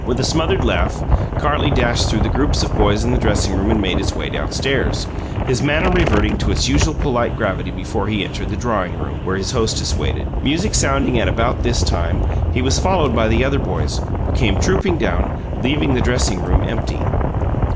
With a smothered laugh, Carlie dashed through the groups of boys in the dressing room and made his way downstairs, his manner reverting to its usual polite gravity before he entered the drawing room, where his hostess waited. Music sounding at about this time, he was followed by the other boys, who came trooping down, leaving the dressing room empty.